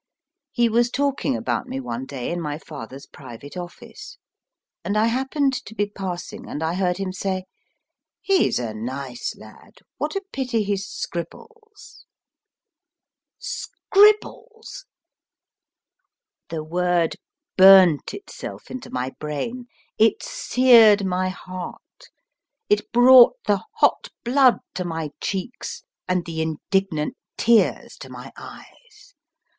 He was talking about me one day in my father s private office, and I happened to be passing, and I heard him say, He s a nice lad what a pity he scribbles ! Scribbles ! the IHK DRAWING ROOM word burnt itself into my brain, it seared my heart, it brought the hot blood to my cheeks, and the indignant tears to my eyes.